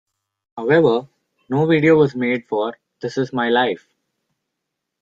However, no video was made for "This Is My Life".